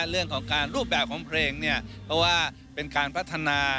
เรื่องของการรูปแบบของเพลงเนี่ยเพราะว่าเป็นการพัฒนา